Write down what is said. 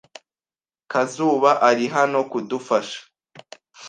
Kazuba ari hano kudufasha.